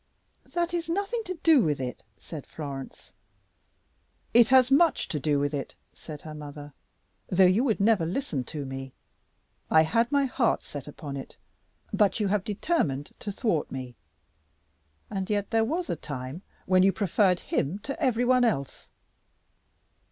"That is nothing to do with it," said Florence. "It has much to do with it," said her mother, "though you would never listen to me. I had set my heart upon it, but you have determined to thwart me. And yet there was a time when you preferred him to every one else."